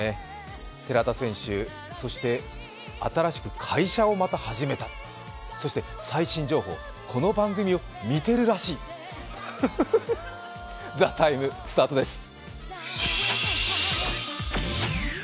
寺田選手、新しく会社をまた始めたそして最新情報、この番組を見てるらしい、「ＴＨＥＴＩＭＥ，」スタートです。